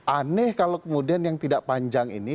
aneh kalau kemudian yang tidak panjang ini